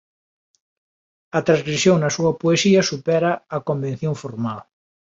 A transgresión na súa poesía supera a convención formal.